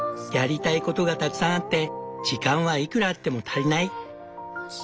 やりたいことがたくさんあって時間はいくらあっても足りないっ！